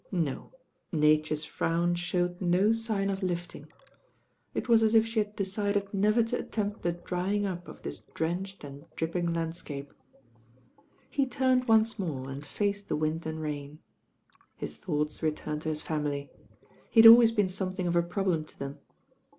No; Nature's frown showed no sign of lifting. It was as if she had decided never to attempt the drjang up of this drenched and dripping landscape. He turned once more and faced the wind and raiii. His thoughts returned to his family. He had always been something of a problem to them.